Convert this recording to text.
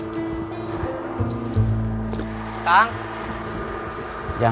masih mau bertahan di sini